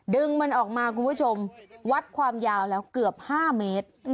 ดึงมันออกมาคุณผู้ชมวัดความยาวแล้วเกือบ๕เมตร